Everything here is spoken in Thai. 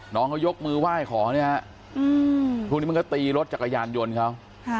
น้องเขายกมือไหว้ขอทุกนิดมันก็ตีรถจากกระยานยนต์เขา